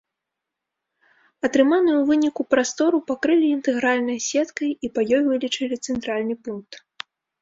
Атрыманую ў выніку прастору пакрылі інтэгральнай сеткай і па ёй вылічылі цэнтральны пункт.